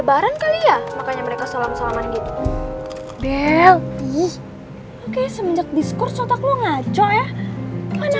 biar sama sama adil ya